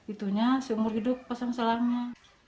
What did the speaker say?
itunya seumur hidup pasang salamnya